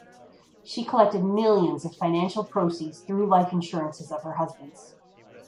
She collected millions of financial proceeds through life insurances of her husbands.